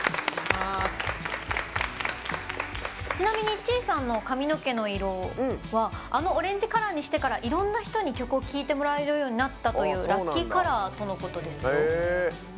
ちなみにＣｈｉ−さんの髪の毛の色はあのオレンジカラーにしてからいろんな人に曲を聴いてもらえるようになったラッキーカラーとのことですよ。